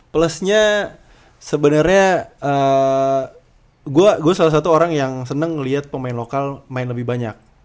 plusnya sebenernya gua salah satu orang yang seneng ngeliat pemain lokal main lebih banyak